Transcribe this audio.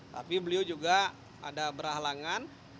tapi beliau juga ada berhalangan